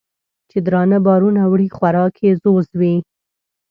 چې درانه بارونه وړي خوراک یې ځوځ وي